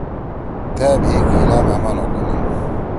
تٲ بھی گیِلا مھٲ ما نہ کونیِن